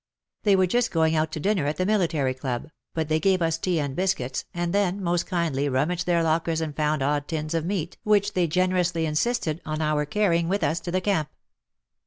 They were just going out to dinner at the military club, but they gave us tea and biscuits, and then most kindly rummaged their lockers and found odd tins of meat which they generously insisted on our io8 WAR AND WOMEN carrying with us to the camp.